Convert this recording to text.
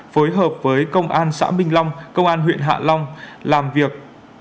phối hợp với công an xã minh long công an huyện hạ long làm việc